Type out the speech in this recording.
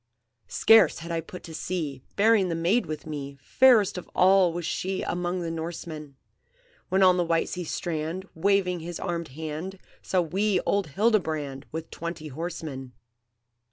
"Scarce had I put to sea, Bearing the maid with me, Fairest of all was she Among the Norsemen! When on the white sea strand, Waving his armed hand, Saw we old Hildebrand, With twenty horsemen.